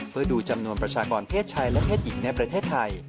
เพื่อดูจำนวนประชากรเพศชายและเพศหญิงในประเทศไทย